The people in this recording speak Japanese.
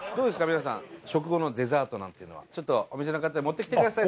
皆さん食後のデザートなんていうのはちょっとお店の方持ってきてください